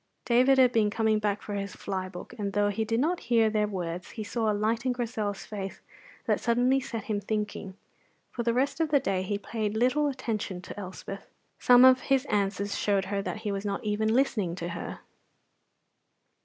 David had been coming back for his fly book, and though he did not hear their words, he saw a light in Grizel's face that suddenly set him thinking. For the rest of the day he paid little attention to Elspeth; some of his answers showed her that he was not even listening to her.